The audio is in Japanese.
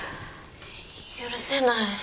許せない